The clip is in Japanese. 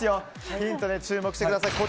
ヒントに注目してください。